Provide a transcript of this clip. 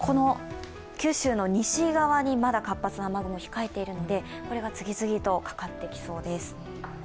九州の西側にまだ活発な雨雲が控えているのでこれが次々とかかってきそうです。